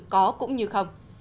có cũng như không